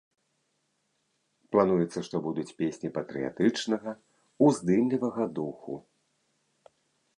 Плануецца, што будуць песні патрыятычнага, уздымлівага духу.